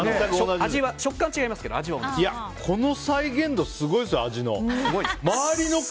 食感は違いますけどこの再現度、すごいですね